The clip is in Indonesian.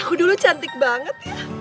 aku dulu cantik banget